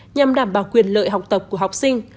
nhằm đảm bảo quyền lợi học tập của học sinh